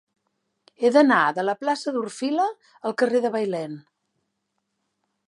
He d'anar de la plaça d'Orfila al carrer de Bailèn.